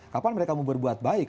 kapan mereka mau berbuat baik